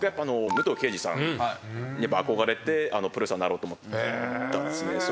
武藤敬司さんに憧れてプロレスラーになろうと思ったんですね。